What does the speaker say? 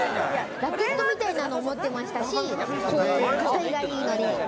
ラケットみたいなのを持ってましたし、ガタイがいいのに。